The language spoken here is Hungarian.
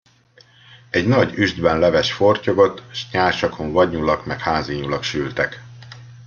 Egy nagy üstben leves fortyogott, s nyársakon vadnyulak meg házinyulak sültek.